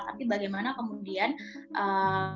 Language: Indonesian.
tapi bagaimana kemudian kpk juga ambil peran untuk memonitor itu